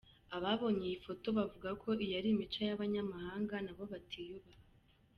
Ababonye iyi foto, bavuga ko iyi ari imico y’abanyamahanga nabo batiyubaha.